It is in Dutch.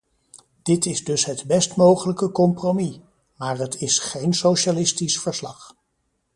Dit is dus het best mogelijke compromis, maar het is geen socialistisch verslag.